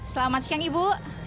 selamat siang ibu